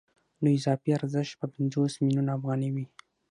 نو اضافي ارزښت به پنځوس میلیونه افغانۍ وي